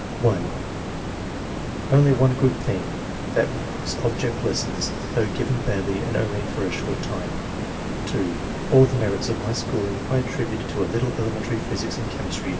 (1) "Only one good thing; that was object lessons, though given badly and only for a short time." (2) "All the merits [of my schooling] I attribute to a little elementary physics and chemistry